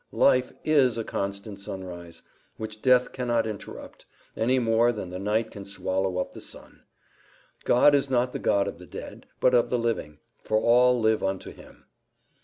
Life IS a constant sunrise, which death cannot interrupt, any more than the night can swallow up the sun. "God is not the God of the dead, but of the living; for all live unto him."